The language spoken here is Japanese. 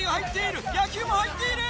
野球も入っている！